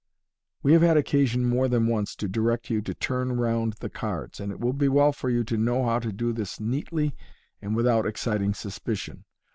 We have had occasion more than once to direct you to turn round the cards, and it will be well for you to know how to do this neatly and without exciting suspicion.